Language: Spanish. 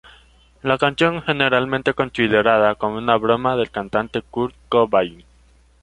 La canción es generalmente considerada como una broma del cantante Kurt Cobain.